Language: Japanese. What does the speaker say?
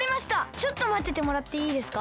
ちょっとまっててもらっていいですか？